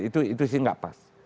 itu sih tidak pas